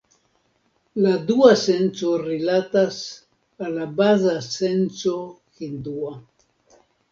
La dua senco rilatas al la baza senco hindua.